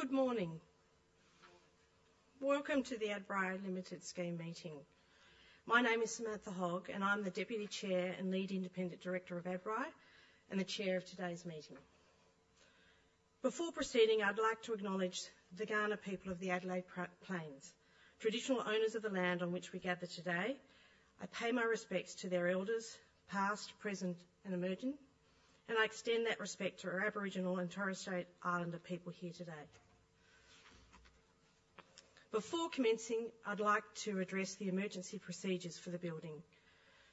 Good morning. Welcome to the Adbri Limited scheme meeting. My name is Samantha Hogg, and I'm the Deputy Chair and Lead Independent Director of Adbri and the Chair of today's meeting. Before proceeding, I'd like to acknowledge the Kaurna people of the Adelaide Plains, traditional owners of the land on which we gather today. I pay my respects to their elders, past, present, and emerging, and I extend that respect to our Aboriginal and Torres Strait Islander people here today. Before commencing, I'd like to address the emergency procedures for the building.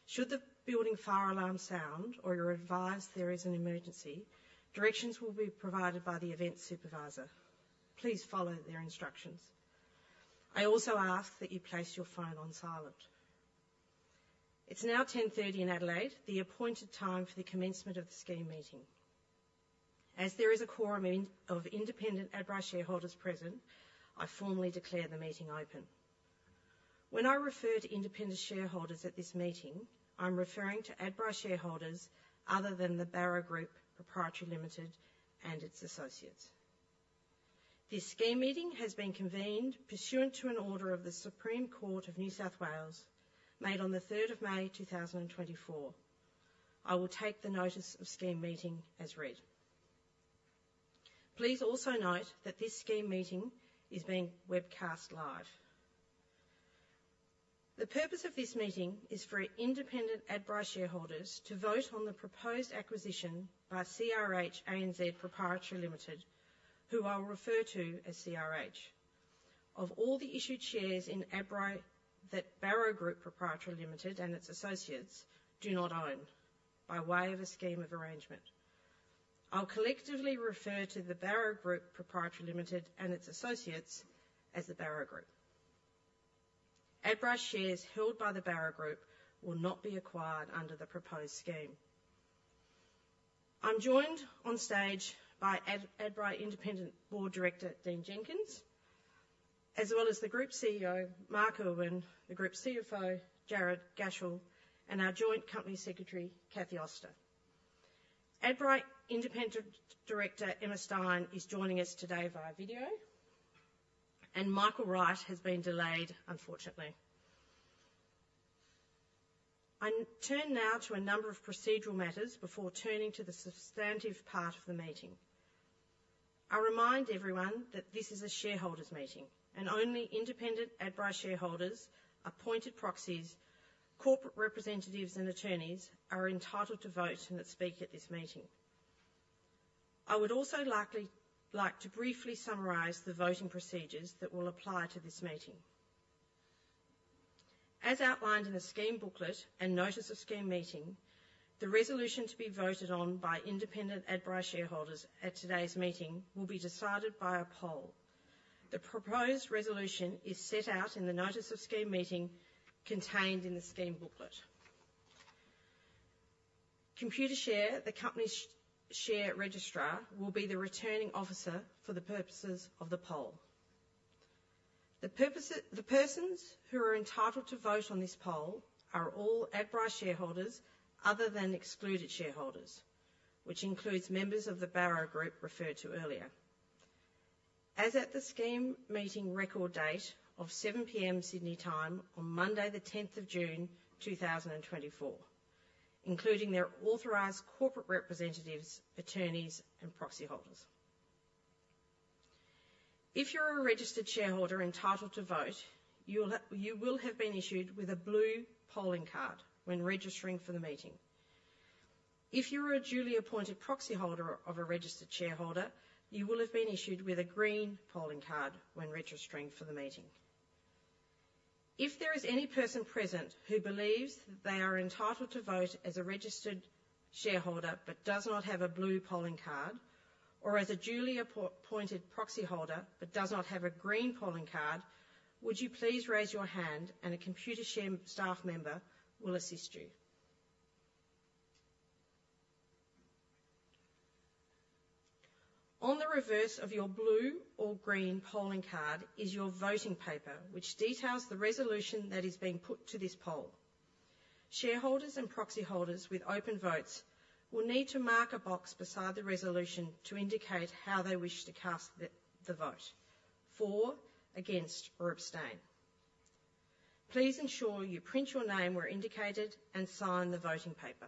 Should the building fire alarm sound or you're advised there is an emergency, directions will be provided by the event supervisor. Please follow their instructions. I also ask that you place your phone on silent. It's now 10:30 A.M. in Adelaide, the appointed time for the commencement of the scheme meeting. As there is a quorum of independent Adbri shareholders present, I formally declare the meeting open. When I refer to independent shareholders at this meeting, I'm referring to Adbri shareholders other than the Barro Group Pty Ltd and its associates. This scheme meeting has been convened pursuant to an order of the Supreme Court of New South Wales made on the 3rd of May, 2024. I will take the notice of scheme meeting as read. Please also note that this scheme meeting is being webcast live. The purpose of this meeting is for independent Adbri shareholders to vote on the proposed acquisition by CRH ANZ Pty Ltd, who I'll refer to as CRH, of all the issued shares in Adbri that Barro Group Pty Ltd and its associates do not own by way of a scheme of arrangement. I'll collectively refer to the Barro Group Proprietary Limited and its associates as the Barro Group. Adbri shares held by the Barro Group will not be acquired under the proposed scheme. I'm joined on stage by Adbri independent board director, Dean Jenkins, as well as the Group CEO, Mark Irwin, the Group CFO, Jared Gashel, and our joint company secretary, Cathy Oster. Adbri independent director, Emma Stein, is joining us today via video, and Michael Wright has been delayed, unfortunately. I turn now to a number of procedural matters before turning to the substantive part of the meeting. I remind everyone that this is a shareholders' meeting, and only independent Adbri shareholders, appointed proxies, corporate representatives, and attorneys are entitled to vote and speak at this meeting. I would also like to briefly summarize the voting procedures that will apply to this meeting. As outlined in the scheme booklet and notice of scheme meeting, the resolution to be voted on by independent Adbri shareholders at today's meeting will be decided by a poll. The proposed resolution is set out in the notice of scheme meeting contained in the scheme booklet. Computershare, the company's share registrar, will be the returning officer for the purposes of the poll. The persons who are entitled to vote on this poll are all Adbri shareholders other than excluded shareholders, which includes members of the Barro Group referred to earlier, as at the scheme meeting record date of 7:00 P.M. Sydney time on Monday, the 10th of June 2024, including their authorized corporate representatives, attorneys, and proxy holders. If you're a registered shareholder entitled to vote, you will have been issued with a blue polling card when registering for the meeting. If you're a duly appointed proxy holder of a registered shareholder, you will have been issued with a green polling card when registering for the meeting. If there is any person present who believes that they are entitled to vote as a registered shareholder but does not have a blue polling card, or as a duly appointed proxy holder but does not have a green polling card, would you please raise your hand, and a Computershare staff member will assist you. On the reverse of your blue or green polling card is your voting paper, which details the resolution that is being put to this poll. Shareholders and proxy holders with open votes will need to mark a box beside the resolution to indicate how they wish to cast the vote: for, against, or abstain. Please ensure you print your name where indicated and sign the voting paper.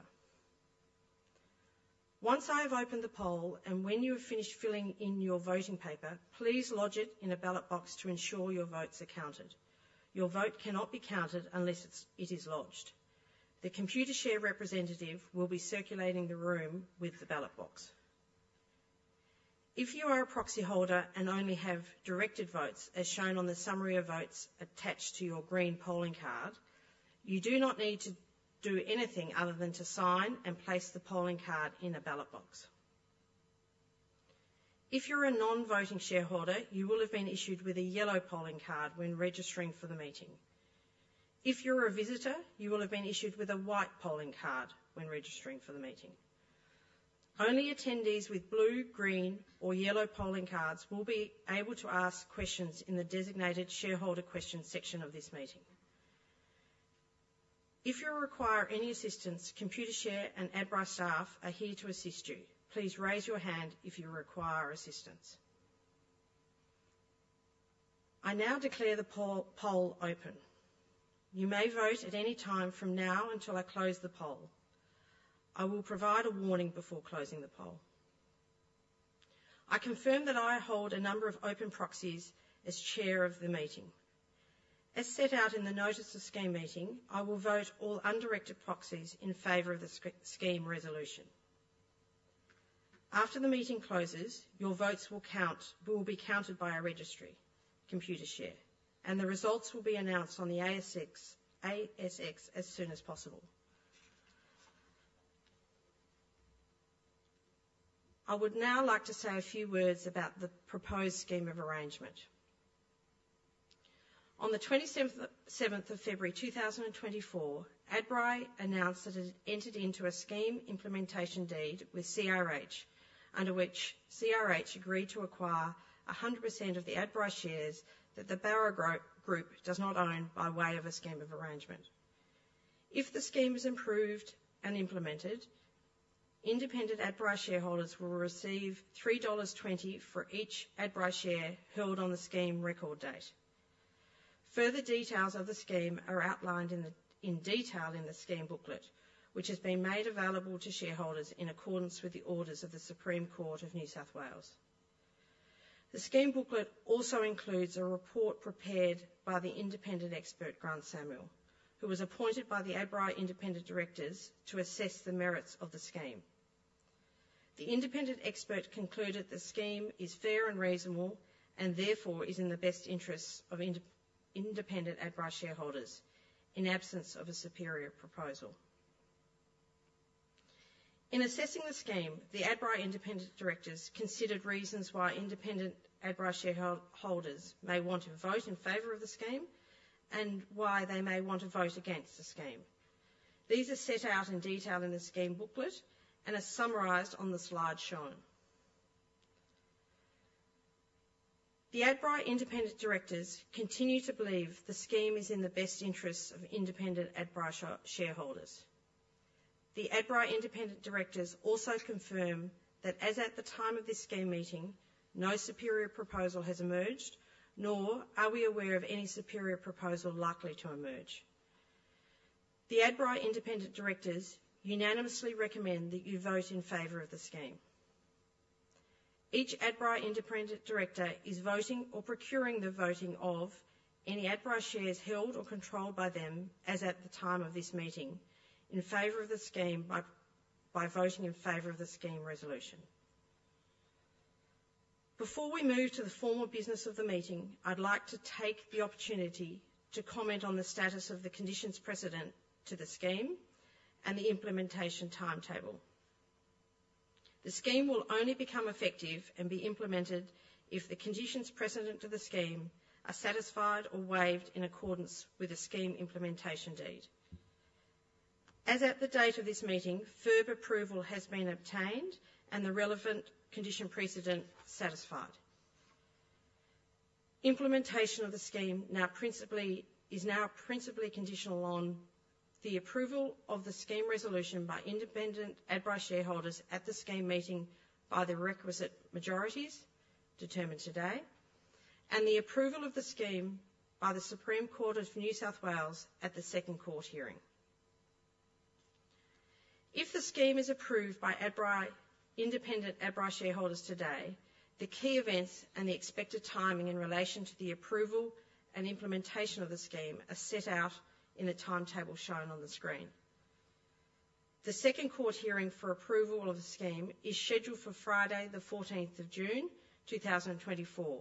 Once I have opened the poll and when you have finished filling in your voting paper, please lodge it in a ballot box to ensure your vote's accounted. Your vote cannot be counted unless it is lodged. The Computershare representative will be circulating the room with the ballot box. If you are a proxy holder and only have directed votes, as shown on the summary of votes attached to your green polling card, you do not need to do anything other than to sign and place the polling card in a ballot box. If you're a non-voting shareholder, you will have been issued with a yellow polling card when registering for the meeting. If you're a visitor, you will have been issued with a white polling card when registering for the meeting. Only attendees with blue, green, or yellow polling cards will be able to ask questions in the designated shareholder question section of this meeting. If you require any assistance, Computershare and Adbri staff are here to assist you. Please raise your hand if you require assistance. I now declare the poll open. You may vote at any time from now until I close the poll. I will provide a warning before closing the poll. I confirm that I hold a number of open proxies as Chair of the meeting. As set out in the notice of scheme meeting, I will vote all undirected proxies in favor of the scheme resolution. After the meeting closes, your votes will be counted by a registry, Computershare, and the results will be announced on the ASX as soon as possible. I would now like to say a few words about the proposed scheme of arrangement. On the 27th of February 2024, Adbri announced that it entered into a scheme implementation deed with CRH, under which CRH agreed to acquire 100% of the Adbri shares that the Barro Group does not own by way of a scheme of arrangement. If the scheme is approved and implemented, independent Adbri shareholders will receive 3.20 dollars for each Adbri share held on the scheme record date. Further details of the scheme are outlined in detail in the scheme booklet, which has been made available to shareholders in accordance with the orders of the Supreme Court of New South Wales. The scheme booklet also includes a report prepared by the independent expert, Grant Samuel, who was appointed by the Adbri independent directors to assess the merits of the scheme. The independent expert concluded the scheme is fair and reasonable and therefore is in the best interests of independent Adbri shareholders in absence of a superior proposal. In assessing the scheme, the Adbri independent directors considered reasons why independent Adbri shareholders may want to vote in favor of the scheme and why they may want to vote against the scheme. These are set out in detail in the scheme booklet and are summarized on this large screen. The Adbri independent directors continue to believe the scheme is in the best interests of independent Adbri shareholders. The Adbri independent directors also confirm that as at the time of this scheme meeting, no superior proposal has emerged, nor are we aware of any superior proposal likely to emerge. The Adbri independent directors unanimously recommend that you vote in favor of the scheme. Each Adbri independent director is voting or procuring the voting of any Adbri shares held or controlled by them as at the time of this meeting in favor of the scheme by voting in favor of the scheme resolution. Before we move to the formal business of the meeting, I'd like to take the opportunity to comment on the status of the conditions precedent to the scheme and the implementation timetable. The scheme will only become effective and be implemented if the conditions precedent to the scheme are satisfied or waived in accordance with the scheme implementation deed. As at the date of this meeting, FIRB approval has been obtained and the relevant condition precedent satisfied. Implementation of the scheme is now principally conditional on the approval of the scheme resolution by independent Adbri shareholders at the scheme meeting by the requisite majorities determined today and the approval of the scheme by the Supreme Court of New South Wales at the second court hearing. If the scheme is approved by independent Adbri shareholders today, the key events and the expected timing in relation to the approval and implementation of the scheme are set out in the timetable shown on the screen. The second court hearing for approval of the scheme is scheduled for Friday, the 14th of June 2024.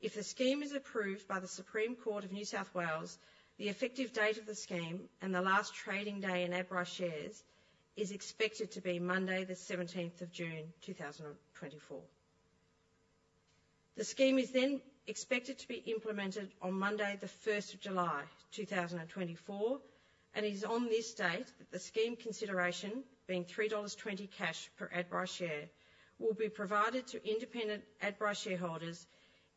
If the scheme is approved by the Supreme Court of New South Wales, the effective date of the scheme and the last trading day in Adbri shares is expected to be Monday, the 17th of June 2024. The scheme is then expected to be implemented on Monday, the 1st of July 2024, and it is on this date that the scheme consideration, being 3.20 dollars cash per Adbri share, will be provided to independent Adbri shareholders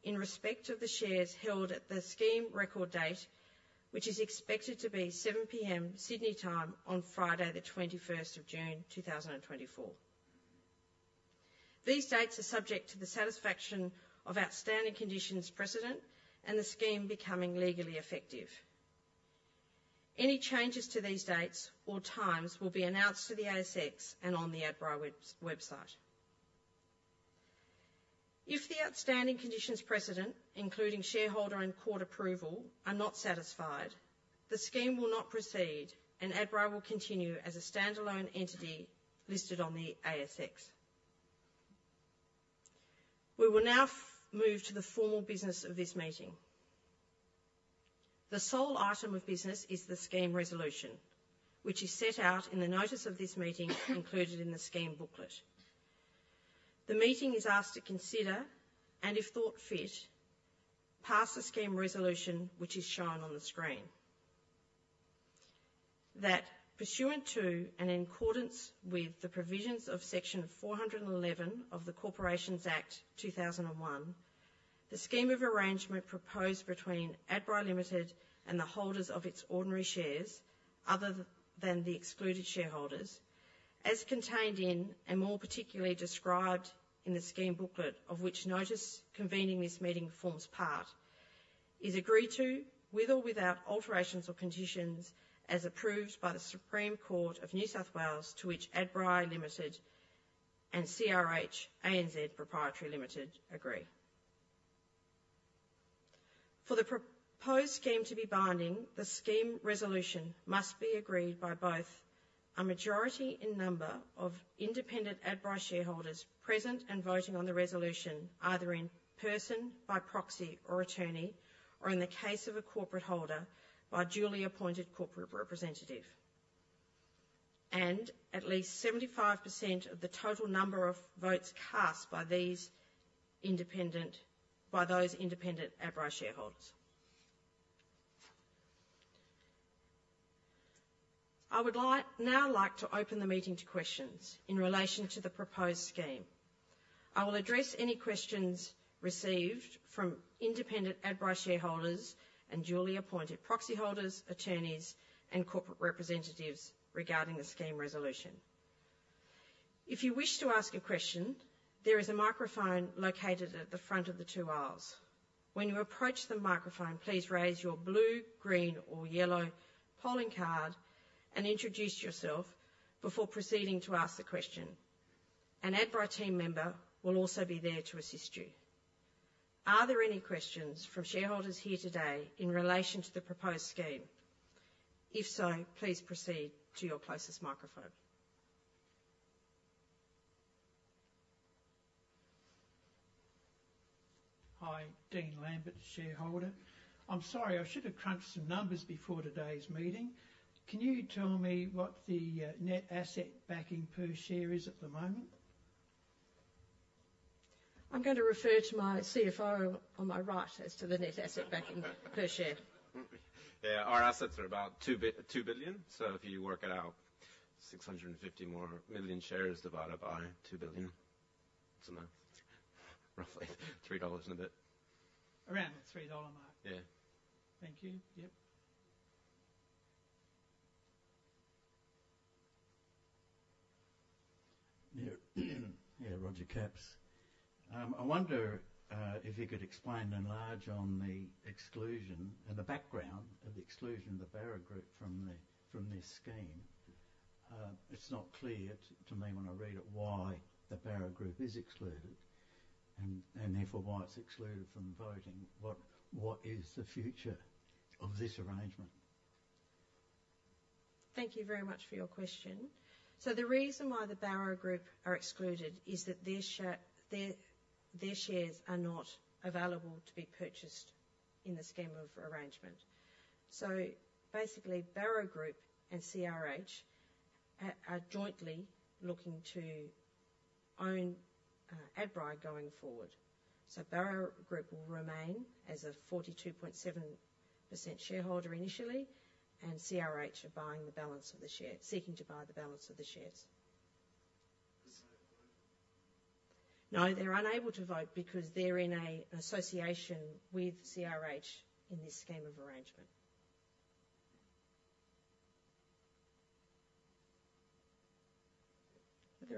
in respect of the shares held at the scheme record date, which is expected to be 7:00 P.M. Sydney time on Friday, the 21st of June 2024. These dates are subject to the satisfaction of outstanding conditions precedent and the scheme becoming legally effective. Any changes to these dates or times will be announced to the ASX and on the Adbri website. If the outstanding conditions precedent, including shareholder and court approval, are not satisfied, the scheme will not proceed and Adbri will continue as a standalone entity listed on the ASX. We will now move to the formal business of this meeting. The sole item of business is the scheme resolution, which is set out in the notice of this meeting included in the scheme booklet. The meeting is asked to consider and, if thought fit, pass the scheme resolution, which is shown on the screen. That pursuant to and in accordance with the provisions of Section 411 of the Corporations Act 2001, the scheme of arrangement proposed between Adbri Limited and the holders of its ordinary shares other than the excluded shareholders, as contained in and more particularly described in the scheme booklet of which notice convening this meeting forms part, is agreed to with or without alterations or conditions as approved by the Supreme Court of New South Wales to which Adbri Limited and CRH ANZ Pty Ltd agree. For the proposed scheme to be binding, the scheme resolution must be agreed by both a majority in number of independent Adbri shareholders present and voting on the resolution either in person by proxy or attorney or, in the case of a corporate holder, by duly appointed corporate representative, and at least 75% of the total number of votes cast by those independent Adbri shareholders. I would now like to open the meeting to questions in relation to the proposed scheme. I will address any questions received from independent Adbri shareholders and duly appointed proxy holders, attorneys, and corporate representatives regarding the scheme resolution. If you wish to ask a question, there is a microphone located at the front of the two aisles. When you approach the microphone, please raise your blue, green, or yellow polling card and introduce yourself before proceeding to ask the question. An Adbri team member will also be there to assist you. Are there any questions from shareholders here today in relation to the proposed scheme? If so, please proceed to your closest microphone. Hi, Dean Lambert, shareholder. I'm sorry, I should have crunched some numbers before today's meeting. Can you tell me what the net asset backing per share is at the moment? I'm going to refer to my CFO on my right as to the net asset backing per share. Yeah, our assets are about 2 billion. So if you work it out, 650 or more million shares divided by 2 billion, it's roughly 3 dollars and a bit. Around the 3 dollar mark. Yeah. Thank you. Yep. Yeah, Roger Capps. I wonder if you could explain at length on the exclusion and the background of the exclusion of the Barro Group from this scheme. It's not clear to me when I read it why the Barro Group is excluded and therefore why it's excluded from voting. What is the future of this arrangement? Thank you very much for your question. So the reason why the Barro Group are excluded is that their shares are not available to be purchased in the scheme of arrangement. So basically, Barro Group and CRH are jointly looking to own Adbri going forward. So Barro Group will remain as a 42.7% shareholder initially, and CRH are buying the balance of the shares, seeking to buy the balance of the shares. No, they're unable to vote because they're in an association with CRH in this scheme of arrangement. Good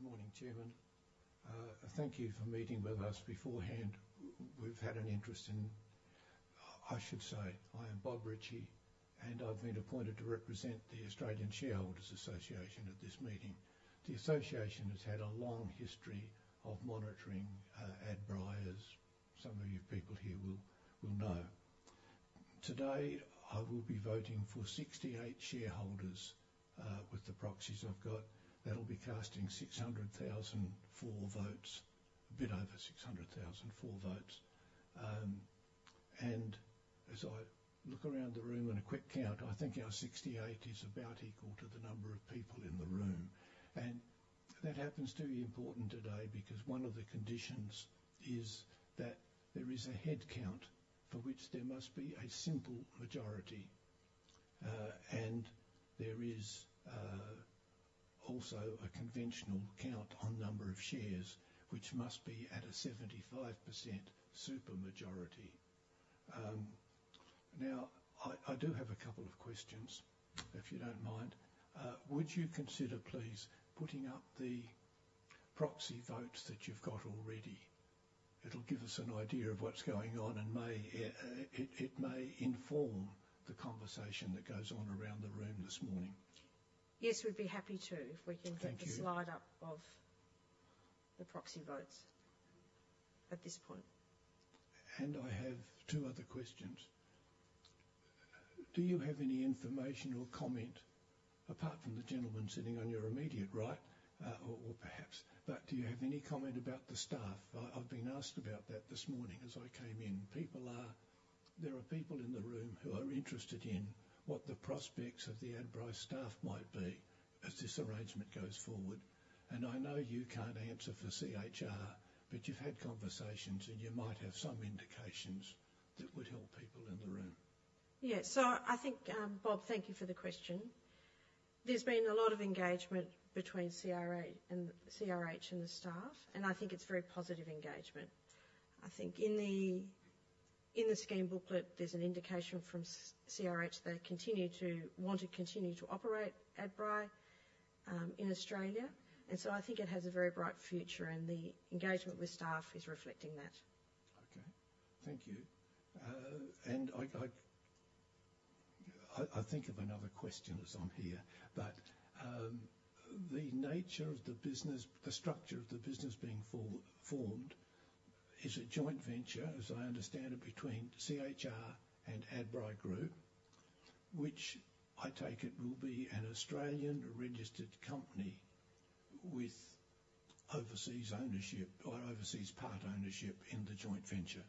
morning, Chairman. Thank you for meeting with us beforehand. We've had an interest in, I should say, I am Bob Ritchie, and I've been appointed to represent the Australian Shareholders' Association at this meeting. The association has had a long history of monitoring Adbri as some of you people here will know. Today, I will be voting for 68 shareholders with the proxies I've got. That'll be casting 600,004 votes, a bit over 600,004 votes. And as I look around the room and a quick count, I think our 68 is about equal to the number of people in the room. And that happens to be important today because one of the conditions is that there is a headcount for which there must be a simple majority. And there is also a conventional count on number of shares, which must be at a 75% super majority. Now, I do have a couple of questions, if you don't mind. Would you consider please putting up the proxy votes that you've got already? It'll give us an idea of what's going on, and it may inform the conversation that goes on around the room this morning. Yes, we'd be happy to if we can get the slide up of the proxy votes at this point. And I have two other questions. Do you have any information or comment apart from the gentleman sitting on your immediate right or perhaps, but do you have any comment about the staff? I've been asked about that this morning as I came in. There are people in the room who are interested in what the prospects of the Adbri staff might be as this arrangement goes forward. And I know you can't answer for CRH, but you've had conversations, and you might have some indications that would help people in the room. Yeah. So I think, Bob, thank you for the question. There's been a lot of engagement between CRH and the staff, and I think it's very positive engagement. I think in the scheme booklet, there's an indication from CRH that they continue to want to continue to operate Adbri in Australia. And so I think it has a very bright future, and the engagement with staff is reflecting that. Okay. Thank you. And I think of another question as I'm here, but the nature of the business, the structure of the business being formed, is a joint venture, as I understand it, between CRH and Barro Group, which I take it will be an Australian registered company with overseas ownership or overseas part ownership in the joint venture,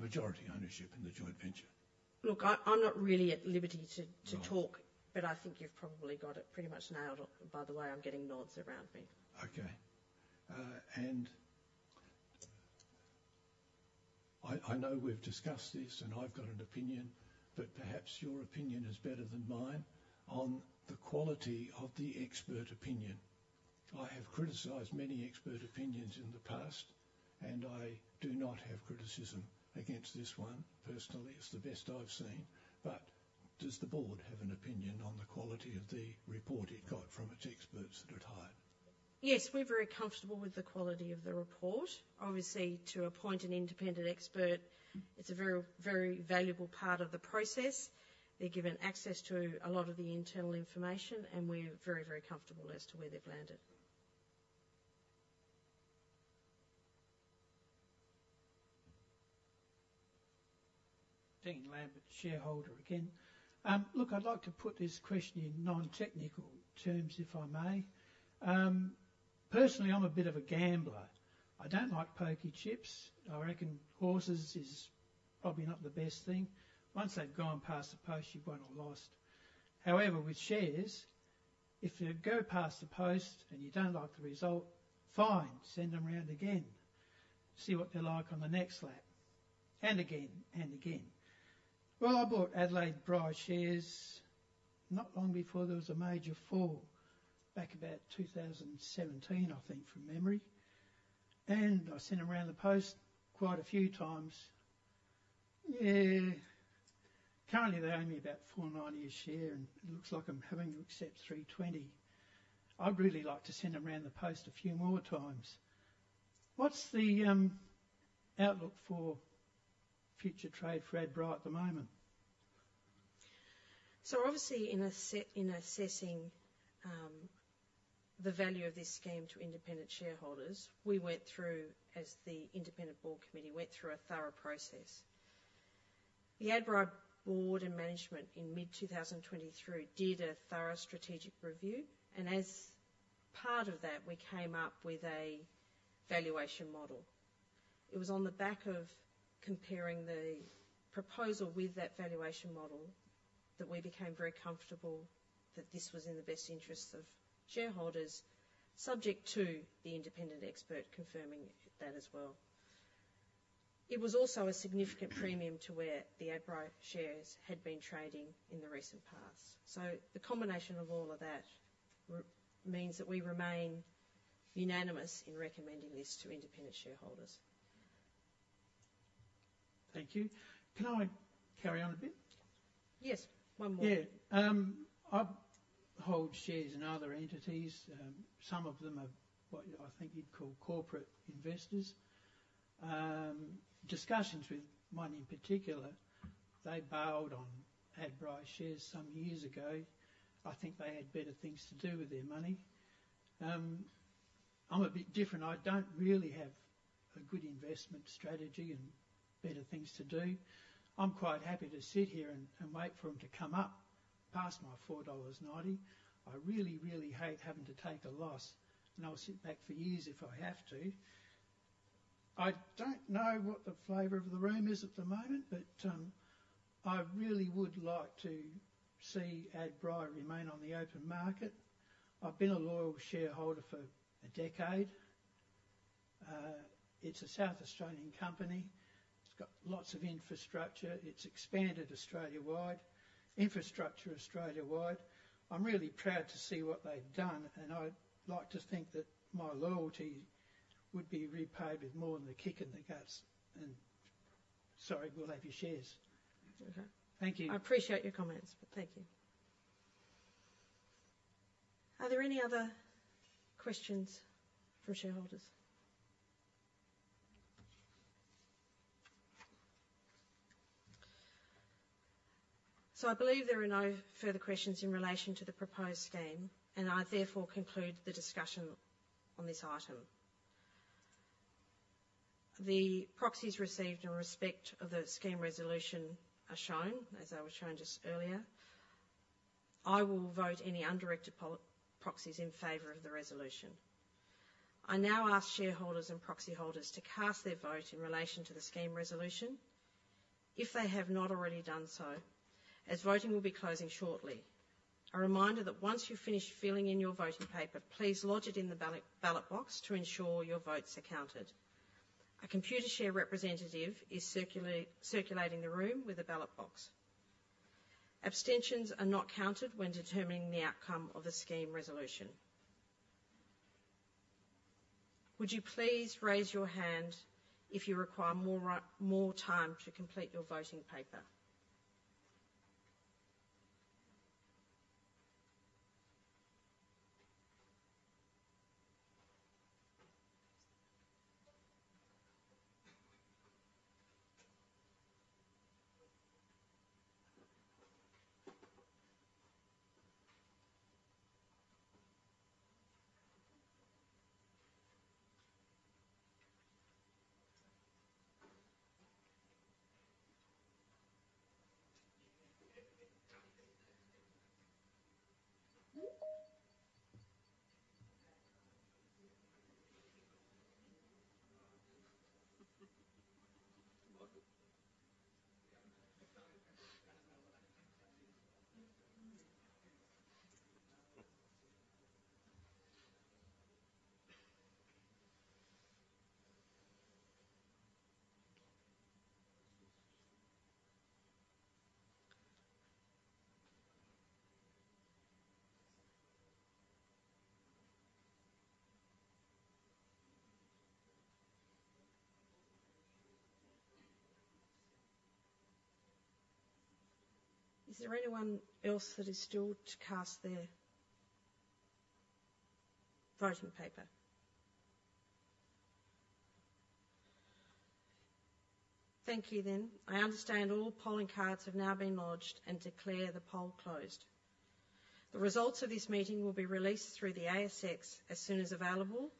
majority ownership in the joint venture. Look, I'm not really at liberty to talk, but I think you've probably got it pretty much nailed by the way I'm getting nods around me. Okay. And I know we've discussed this, and I've got an opinion, but perhaps your opinion is better than mine on the quality of the expert opinion. I have criticized many expert opinions in the past, and I do not have criticism against this one. Personally, it's the best I've seen. But does the board have an opinion on the quality of the report it got from its experts that it hired? Yes, we're very comfortable with the quality of the report. Obviously, to appoint an independent expert, it's a very valuable part of the process. They're given access to a lot of the internal information, and we're very, very comfortable as to where they've landed. Dean Lambert, shareholder again. Look, I'd like to put this question in non-technical terms if I may. Personally, I'm a bit of a gambler. I don't like poker chips. I reckon horses is probably not the best thing. Once they've gone past the post, you've won or lost. However, with shares, if they go past the post and you don't like the result, fine, send them around again. See what they're like on the next lap. And again, and again. Well, I bought Adbri shares not long before there was a major fall back about 2017, I think, from memory. And I sent them around the post quite a few times. Yeah. Currently, they're only about 4.90 a share, and it looks like I'm having to accept 3.20. I'd really like to send them around the post a few more times. What's the outlook for future trade for Adbri at the moment? So obviously, in assessing the value of this scheme to independent shareholders, we went through, as the independent board committee went through, a thorough process. The Adbri board and management in mid-2023 did a thorough strategic review. As part of that, we came up with a valuation model. It was on the back of comparing the proposal with that valuation model that we became very comfortable that this was in the best interests of shareholders, subject to the independent expert confirming that as well. It was also a significant premium to where the Adbri shares had been trading in the recent past. The combination of all of that means that we remain unanimous in recommending this to independent shareholders. Thank you. Can I carry on a bit? Yes, one more. Yeah. I hold shares in other entities. Some of them are what I think you'd call corporate investors. Discussions with money in particular, they bailed on Adbri shares some years ago. I think they had better things to do with their money. I'm a bit different. I don't really have a good investment strategy and better things to do. I'm quite happy to sit here and wait for them to come up past my 4.90 dollars. I really, really hate having to take a loss, and I'll sit back for years if I have to. I don't know what the flavor of the room is at the moment, but I really would like to see Adbri remain on the open market. I've been a loyal shareholder for a decade. It's a South Australian company. It's got lots of infrastructure. It's expanded Australia-wide, infrastructure Australia-wide. I'm really proud to see what they've done, and I'd like to think that my loyalty would be repaid with more than the kick in the guts. Sorry, we'll have your shares. Okay. Thank you. I appreciate your comments, but thank you. Are there any other questions from shareholders? I believe there are no further questions in relation to the proposed scheme, and I therefore conclude the discussion on this item. The proxies received in respect of the scheme resolution are shown, as I was shown just earlier. I will vote any undirected proxies in favor of the resolution. I now ask shareholders and proxy holders to cast their vote in relation to the scheme resolution if they have not already done so, as voting will be closing shortly. A reminder that once you finish filling in your voting paper, please lodge it in the ballot box to ensure your votes are counted. A Computershare representative is circulating the room with a ballot box. Abstentions are not counted when determining the outcome of the scheme resolution. Would you please raise your hand if you require more time to complete your voting paper? Is there anyone else that is still to cast their voting paper? Thank you then. I understand all polling cards have now been lodged and declare the poll closed. The results of this meeting will be released through the ASX as soon as available,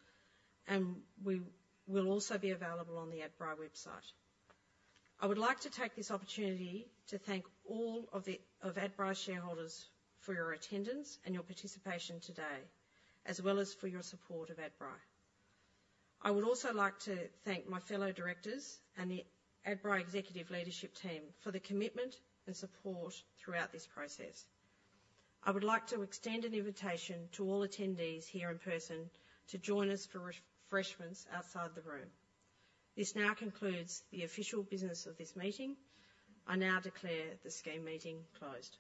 and will also be available on the Adbri website. I would like to take this opportunity to thank all of Adbri shareholders for your attendance and your participation today, as well as for your support of Adbri. I would also like to thank my fellow directors and the Adbri executive leadership team for the commitment and support throughout this process. I would like to extend an invitation to all attendees here in person to join us for refreshments outside the room. This now concludes the official business of this meeting. I now declare the scheme meeting closed.